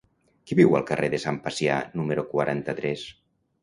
Qui viu al carrer de Sant Pacià número quaranta-tres?